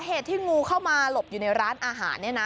เหตุที่งูเข้ามาหลบอยู่ในร้านอาหารเนี่ยนะ